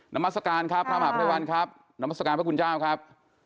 มัศกาลครับพระมหาภัยวัลครับนามัศกาลพระคุณเจ้าครับ